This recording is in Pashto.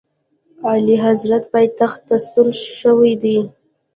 اعلیحضرت پایتخت ته ستون شوی دی.